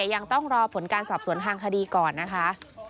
ยังต้องรอผลการสอบสวนทางคดีก่อนนะคะ